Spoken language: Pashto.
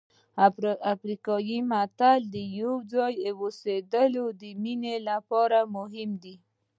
افریقایي متل وایي یو ځای اوسېدل د مینې لپاره مهم دي.